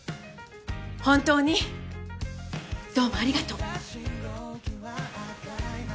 本当にどうもありがとう。